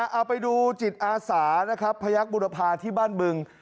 เอาไปดูจิตอาสานะครับพยักษ์บุรพาที่บ้านบึง